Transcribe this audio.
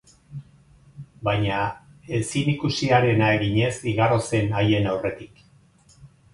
Baina ezikusiarena eginez igaro zen haien aurretik.